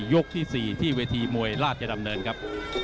ยกที่๔ที่เวทีมวยราชดำเนินครับ